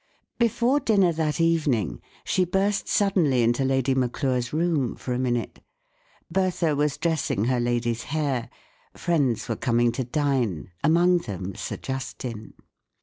Before dinner that evening she burst suddenly into Lady Maclure's room for a minute. Bertha was dressing her lady's hair. Friends were coming to dine—among them Sir Justin.